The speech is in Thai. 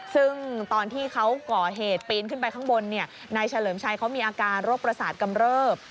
ซึ่งตอนที่เขาก่อเหตุปีนขึ้นไปข้างบนนายเฉลิมชัยเขามีอาการโรคประสาทกำเริบ